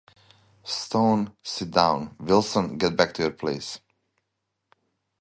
Stone, sit down — Wilson, get back to your place.